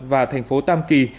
và thành phố tam kỳ